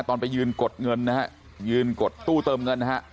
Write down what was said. ตอนไปยืนกดเงินนะฮะยืนกดตู้เติมเงินนะฮะ